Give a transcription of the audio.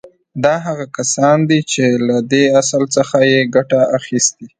دا هغه کسان دي چې له دې اصل څخه يې ګټه اخيستې.